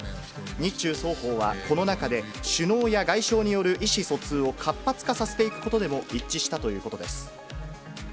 日中双方は、この中で首脳や外相による意思疎通を活発化させていくことでも一致したということです。